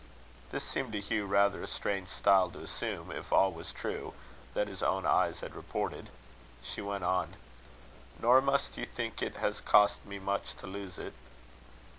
This seemed to Hugh rather a strange style to assume, if all was true that his own eyes had reported. She went on: "Nor must you think it has cost me much to lose it."